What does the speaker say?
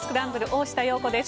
大下容子です。